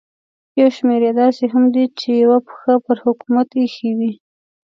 یو شمېر یې داسې هم دي چې یوه پښه پر حکومت ایښې وي.